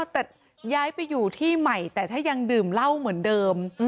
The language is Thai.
แต่ย้ายไปอยู่ที่ใหม่แต่ถ้ายังดื่มเหล้าเหมือนเดิม